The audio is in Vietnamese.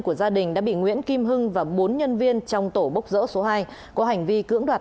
của gia đình đã bị nguyễn kim hưng và bốn nhân viên trong tổ bốc dỡ số hai có hành vi cưỡng đoạt